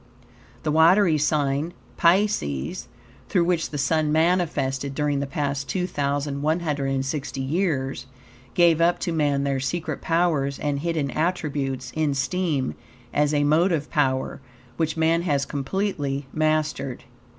The watery sign, Pisces, through which the Sun manifested during the past 2,160 years, gave up to man their secret powers and hidden attributes in steam as a motive power, which man has completely mastered.